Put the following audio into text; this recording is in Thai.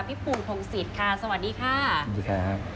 พี่ปูนพงศิษย์ค่ะสวัสดีค่ะสวัสดีค่ะ